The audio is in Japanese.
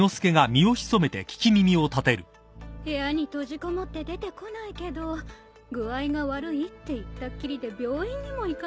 部屋に閉じこもって出てこないけど具合が悪いって言ったっきりで病院にも行かないし。